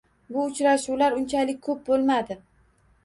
Bu uchrashuvlar unchalik ko‘p bo‘lmadi.